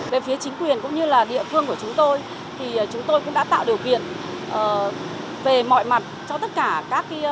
về phía chính quyền cũng như là địa phương của chúng tôi thì chúng tôi cũng đã tạo điều kiện về mọi mặt cho tất cả các